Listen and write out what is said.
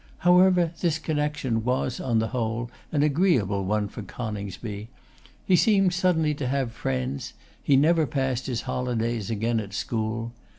However, this connection was, on the whole, an agreeable one for Coningsby. He seemed suddenly to have friends: he never passed his holydays again at school.